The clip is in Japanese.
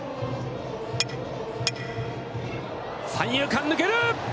三遊間抜ける！